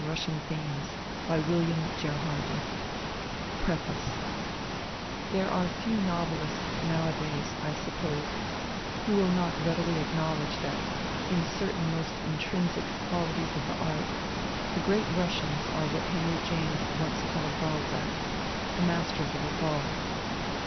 •:•:; KATHERINE MANSFIELD O20375 PREFACE There are few novelists nowadays, I suppose, who will not readily acknowledge that, in certain most intrinsic qualities of the art, the great Russians are what Henry James once called Balzac : the masters of us all.